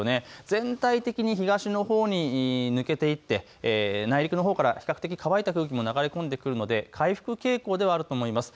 全体的に東のほうに抜けていって内陸のほうから比較的乾いた空気も流れ込んでくるので回復傾向ではあると思います。